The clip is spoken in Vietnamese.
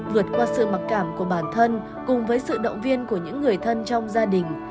vượt qua sự mặc cảm của bản thân cùng với sự động viên của những người thân trong gia đình